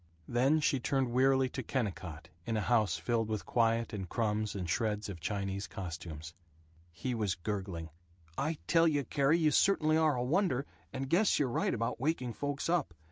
Then she turned wearily to Kennicott in a house filled with quiet and crumbs and shreds of Chinese costumes. He was gurgling, "I tell you, Carrie, you certainly are a wonder, and guess you're right about waking folks up.